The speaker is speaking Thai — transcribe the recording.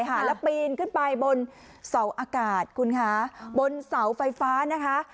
แล้วปีนขึ้นไปบนเสาอากาศคุณคะบนเสาไฟฟ้านะคะ